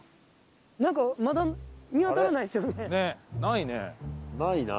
なんかまだ見当たらないですよね。